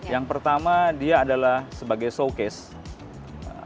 yang pertama dia adalah sebagai showcase